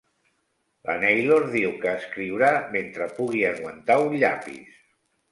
La Naylor diu que escriurà mentre pugui aguantar un llapis.